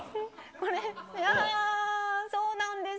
これ、そうなんです。